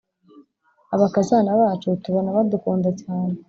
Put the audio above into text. Abakazana bacu tubona badukunda cyane